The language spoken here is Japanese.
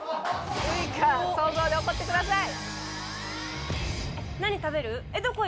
ウイカ想像で怒ってください。